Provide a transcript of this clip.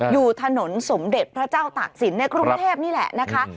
อยู่ถนนสมเด็จพระเจ้าตากศิลป์ในกรุงเทพนี่แหละนะคะ